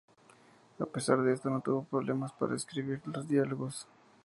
A pesar de esto, no tuvo problemas para escribir los diálogos.